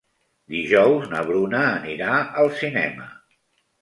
Dijous na Bruna anirà al cinema.